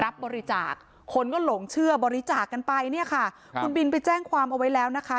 รับบริจาคคนก็หลงเชื่อบริจาคกันไปเนี่ยค่ะคุณบินไปแจ้งความเอาไว้แล้วนะคะ